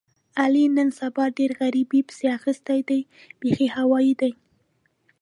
علي نن سبا ډېر غریبۍ پسې اخیستی دی بیخي هوایي دی.